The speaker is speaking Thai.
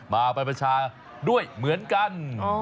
มาไปประชาด้วยเหมือนกัน